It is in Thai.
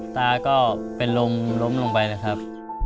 ตาก็เป็นลมล้มลงไปนะครับ